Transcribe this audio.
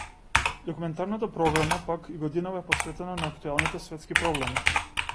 Документарната програма, пак, и годинава е посветена на актуелните светски проблеми.